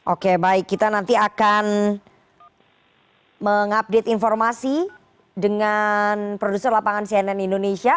oke baik kita nanti akan mengupdate informasi dengan produser lapangan cnn indonesia